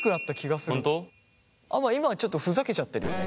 まあ今はちょっとふざけちゃってるよね